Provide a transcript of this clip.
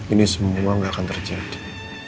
ini semua nggak akan terjadi